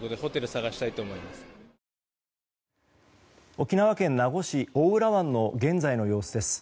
沖縄県名護市大浦湾の現在の様子です。